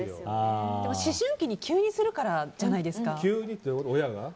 でも、思春期に急にするからじゃないですか？